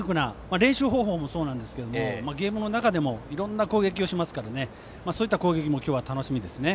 練習方法も、そうなんですけどゲームの中でもいろんな攻撃をしますからそういった攻撃も今日は楽しみですね。